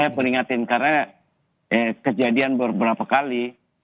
saya peringatin karena kejadian beberapa kali